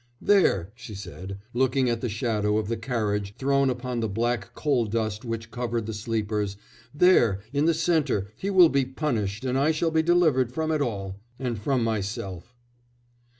"'There,' she said, looking at the shadow of the carriage thrown upon the black coal dust which covered the sleepers, 'there, in the centre, he will be punished and I shall be delivered from it all ... and from myself.'